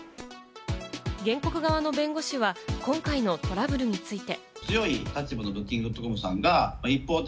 原告側の弁護士は今回のトラブルについて。